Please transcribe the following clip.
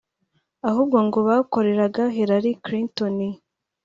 ahubwo ngo bakoreraga Hillary Clinton